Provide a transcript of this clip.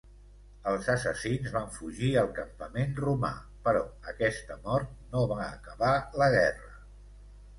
Els assassins van fugir al campament romà, però aquesta mort no va acabar la guerra.